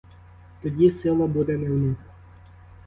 Тоді сила буде не в них.